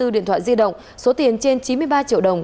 hai mươi điện thoại di động số tiền trên chín mươi ba triệu đồng